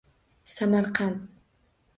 Samarqand